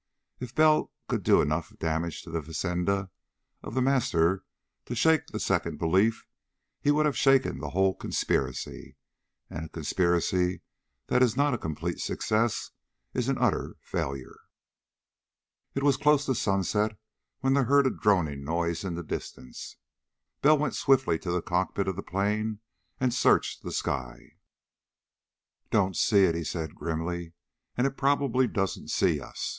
If Bell could do enough damage to the fazenda of The Master to shake the second belief, he would have shaken the whole conspiracy. And a conspiracy that is not a complete success is an utter failure. It was close to sunset when they heard a droning noise in the distance. Bell went swiftly to the cockpit of the plane and searched the sky. "Don't see it," he said grimly, "and it probably doesn't see us.